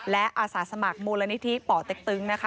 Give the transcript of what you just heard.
และอาสาสมัครมูลนิธิป่อเต็กตึงนะคะ